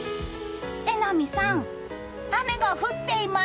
榎並さん、雨が降っています！